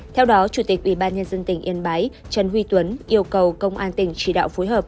theo đó chủ tịch ủy ban nhân dân tỉnh yên bái trần huy tuấn yêu cầu công an tỉnh chỉ đạo phối hợp